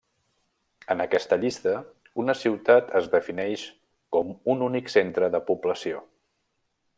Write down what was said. En aquesta llista, una ciutat es defineix com un únic centre de població.